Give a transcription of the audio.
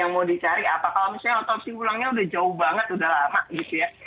yang mau dicari apa kalau misalnya otopsi ulangnya udah jauh banget udah lama gitu ya